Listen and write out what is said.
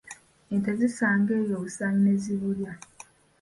Ente zisanga eyo obusaanyi ne zibulya.